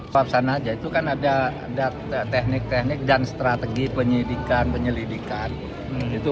paksa naja itu kan ada data teknik teknik dan strategi penyelidikan penyelidikan itu